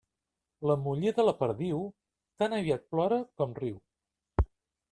La muller de la perdiu, tan aviat plora com riu.